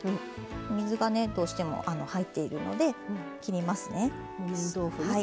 水がねどうしても入っているので切りますね。